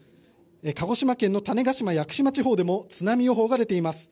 鹿児島県の種子島・屋久島地方でも津波警報が出ています。